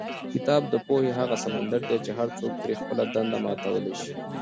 کتاب د پوهې هغه سمندر دی چې هر څوک ترې خپله تنده ماتولی شي.